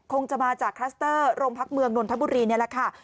คงจะมาจากคลัสเตอร์โรงพักเมืองนนทบุรีนี่แหละค่ะ